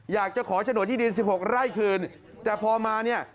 อยากจะขอโฉนดที่ดิน๑๖ไร่คืนแต่พอมาเนี่ย